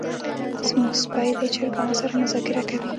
زمونږ سپی د چرګانو سره مذاکره کوي.